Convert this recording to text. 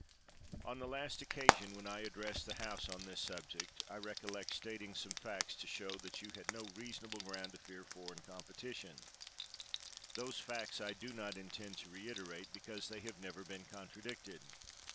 On the last occasion when I addressed the House on this subject, I recollect stating some facts to show that you had no reasonable ground to fear foreign competition; those facts I do not intend to reiterate, because they have never been contradicted.